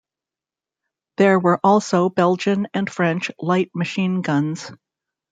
There were also Belgian and French light machine guns.